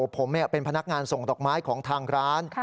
ผมเป็นพนักงานส่งดอกไม้ของทางร้าน